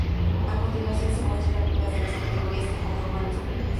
A continuación se muestran algunas de las categorías que conforman los premios.